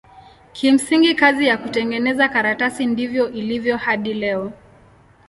Kimsingi kazi ya kutengeneza karatasi ndivyo ilivyo hadi leo.